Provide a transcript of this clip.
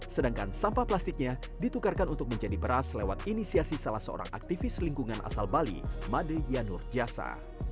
sedangkan sampah plastiknya ditukarkan untuk menjadi beras lewat inisiasi salah seorang aktivis lingkungan asal bali made yanur jasa